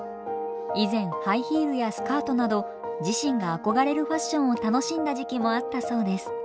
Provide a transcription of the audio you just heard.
以前ハイヒールやスカートなど自身が憧れるファッションを楽しんだ時期もあったそうです。